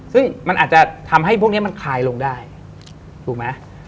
ซึ่งมันอาจจะทำให้พวกนี้มันคลายลงได้ถูกไหม